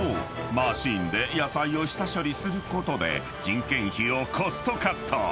マシンで野菜を下処理することで人件費をコストカット］